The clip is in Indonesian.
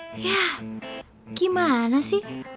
hah gimana sih